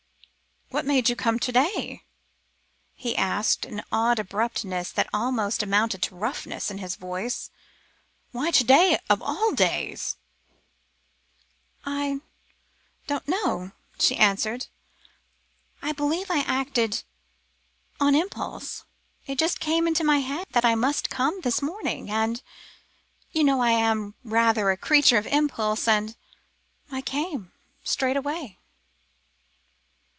"What made you come to day?" he asked, an odd abruptness that almost amounted to roughness, in his voice. "Why to day, of all days?" "I don't know," she answered. "I believe I acted on impulse. It just came into my head that I must come this morning, and you know I am rather a creature of impulse and I came straight away."